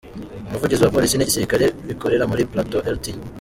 Umuvugizi wa Polisi n’igisirikare bikorera muri Plateau, Lt.